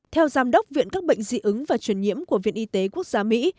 theo giám đốc viện các bệnh dị ứng và truyền nhiễm của viện y tế quốc gia mỹ